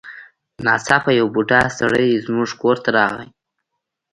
ناڅاپه یو بوډا سړی زموږ کور ته راغی.